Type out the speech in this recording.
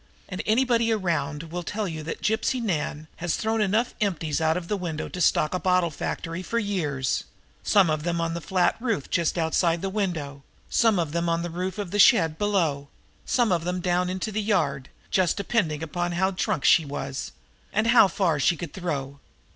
And anybody around here will tell you that Gypsy Nan has thrown enough empties out of the window there to stock a bottle factory for years, some of them on the flat roof just outside the window, some of them on the roof of the shed below, and some of them down into the yard, just depending on how drunk she was and how far she could throw.